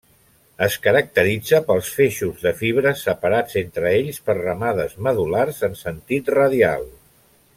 Es caracteritza pels feixos de fibres separats entre ells per ramades medul·lars en sentit radial.